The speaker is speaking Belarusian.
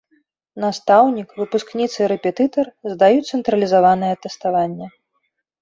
Настаўнік, выпускніца і рэпетытар здаюць цэнтралізаванае тэставанне.